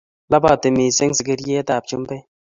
Labatii missing sigiryetab chumbek